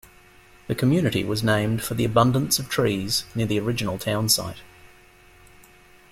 The community was named for the abundance of trees near the original town site.